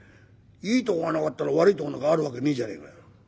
いいとこがなかったら悪いとこなんかある訳ねえじゃねえかよ」。